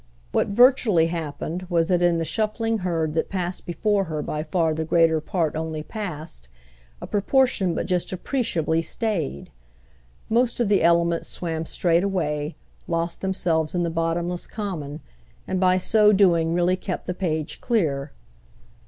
What virtually happened was that in the shuffling herd that passed before her by far the greater part only passed—a proportion but just appreciable stayed. Most of the elements swam straight away, lost themselves in the bottomless common, and by so doing really kept the page clear.